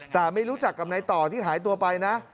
แต่ไม่รู้จักกับนายต่อที่หายตัวไปนะ